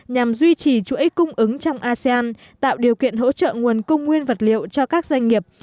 nhằm duy trì chuỗi cung ứng trong asean tạo điều kiện hỗ trợ nguồn cung nguyên vật liệu cho các doanh nghiệp